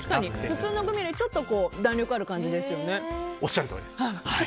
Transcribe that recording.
普通のグミよりちょっと弾力がある感じですね。